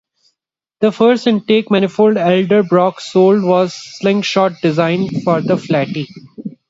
The first intake manifold Edelbrock sold was a "slingshot" design for the flatty.